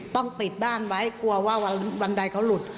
ต้องปิดบ้านไว้กลัวว่าบันไดเขาหลุด